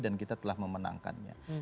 dan kita telah memenangkannya